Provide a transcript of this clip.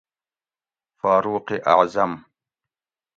فاروق اعظم